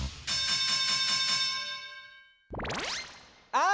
あ！